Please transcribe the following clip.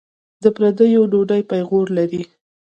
د پردیو ډوډۍ پېغور لري.